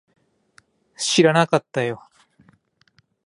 知らなかったよ